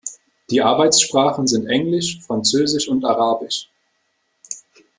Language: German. Die Arbeitssprachen sind Englisch, Französisch und Arabisch.